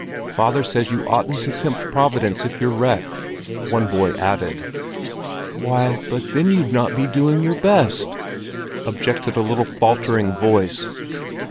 "Father says you oughtn't to tempt Providence if you're wrecked," one boy added. "Why, but then you'd not be doing your best!" objected a little faltering voice.